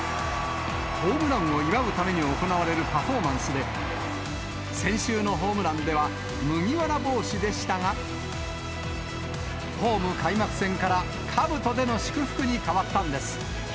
ホームランを祝うために行われるパフォーマンスで、先週のホームランでは麦わら帽子でしたが、ホーム開幕戦からかぶとでの祝福に変わったんです。